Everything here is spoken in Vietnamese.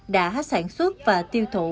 đã sản xuất và tiêu thụ